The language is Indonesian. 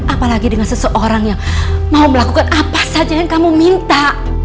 apalagi dengan seseorang yang mau melakukan apa saja yang kamu minta